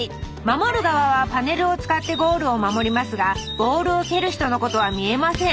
守る側はパネルを使ってゴールを守りますがボールを蹴る人のことは見えません。